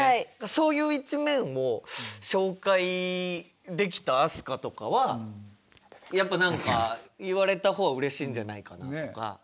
そういう一面も紹介できた飛鳥とかはやっぱ何か言われた方はうれしいんじゃないかなとか。